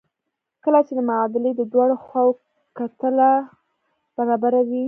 کله چې د معادلې د دواړو خواوو کتله برابره وي.